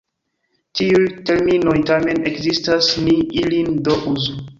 Tiuj terminoj tamen ekzistas, ni ilin do uzu.